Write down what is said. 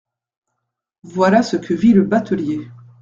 Voilà ce que vit le batelier.